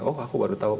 oh aku baru tahu